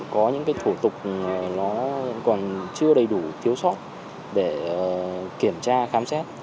có những thủ tục chưa đầy đủ thiếu sóc để kiểm tra khám xét